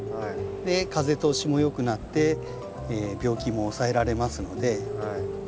風通しもよくなって病気も抑えられますので。